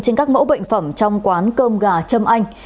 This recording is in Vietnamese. trên các mẫu bệnh phẩm trong quán cơm gà châm anh